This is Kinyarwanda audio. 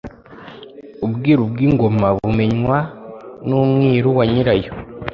Ubwiru bw’ingomabumenywa n’umwiru na nyirayo.